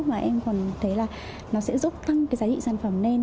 mà em còn thấy là nó sẽ giúp tăng cái giá trị sản phẩm lên